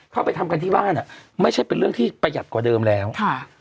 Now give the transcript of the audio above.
เข้าไปทำกันที่บ้านอ่ะไม่ใช่เป็นเรื่องที่ประหยัดกว่าเดิมแล้วค่ะ